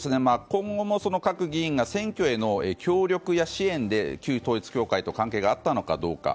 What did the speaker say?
今後も各議員が選挙への協力や支援で旧統一教会と関係があったのかどうか。